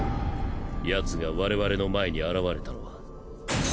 ヤツが我々の前に現れたのは。